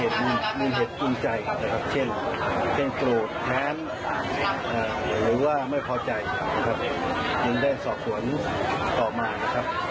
โดยแยกกันสักปันกรรมก็ให้กันแล้วแต่ภาพ